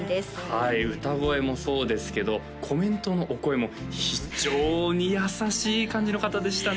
はい歌声もそうですけどコメントのお声も非常に優しい感じの方でしたね